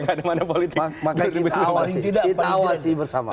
kita awasi bersama